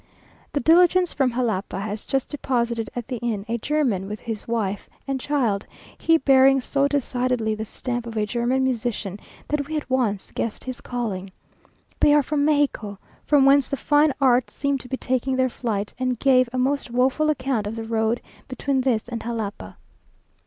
The diligence from Jalapa has just deposited at the inn, a German with his wife and child, he bearing so decidedly the stamp of a German musician, that we at once guessed his calling. They are from Mexico, from whence the fine arts seem to be taking their flight, and gave a most woeful account of the road between this and Jalapa.